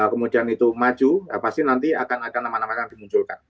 kemudian itu maju pasti nanti akan ada nama nama yang dimunculkan